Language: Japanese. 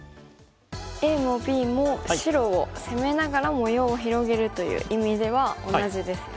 ＡもＢも白を攻めながら模様を広げるという意味では同じですよね。